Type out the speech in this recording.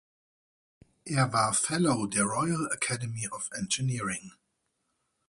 Er war Fellow der Royal Academy of Engineering.